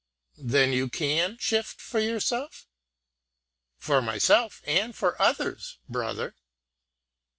"Then you can shift for yourself?" "For myself and for others, brother."